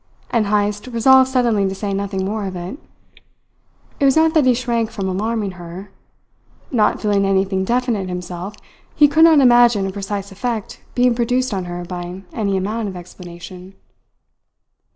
And Heyst resolved suddenly to say nothing more of it. It was not that he shrank from alarming her. Not feeling anything definite himself he could not imagine a precise effect being produced on her by any amount of explanation.